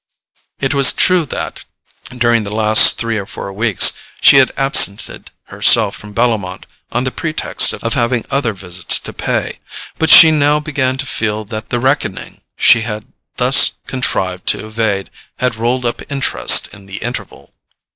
It was true that, during the last three or four weeks, she had absented herself from Bellomont on the pretext of having other visits to pay; but she now began to feel that the reckoning she had thus contrived to evade had rolled up interest in the interval.